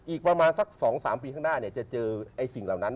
อีกประมาณสักสองสามปีข้างหน้าเนี่ย